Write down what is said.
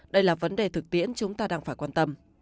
đây là vấn đề thực tiễn chúng ta đang phải quan tâm